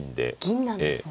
銀なんですね。